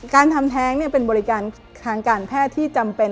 การทำแท้งเป็นบริการทางการแพทย์ที่จำเป็น